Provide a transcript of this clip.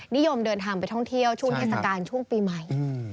นิยมเดินทางไปท่องเที่ยวช่วงเทศกาลช่วงปีใหม่